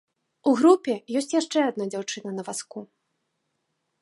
У групе ёсць яшчэ адна дзяўчына на вазку.